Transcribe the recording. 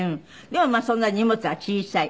でもそんなに荷物は小さい。